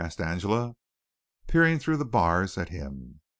asked Angela, peering through the bars at him.